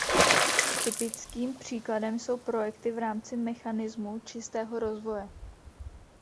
Typickým příkladem jsou projekty v rámci mechanismu čistého rozvoje.